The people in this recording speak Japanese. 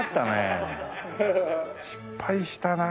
失敗したな。